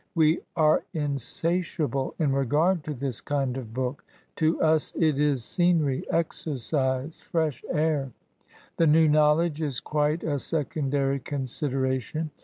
We are insatiable in regard to this kind of book. To us it is scenery, exercise, firesh air. The new knowledge is quite a secondary consideration.